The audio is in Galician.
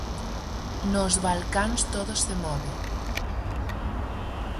Nos Balcáns todo se move.